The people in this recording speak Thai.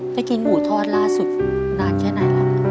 ไปกินหมูทอดล่าสุดนานแค่ไหนล่ะ